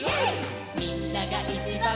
「みんながいちばん」